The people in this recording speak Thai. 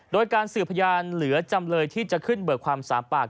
โดยการสืบพยานเหลือจำเลยที่จะขึ้นเบิกความ๓ปาก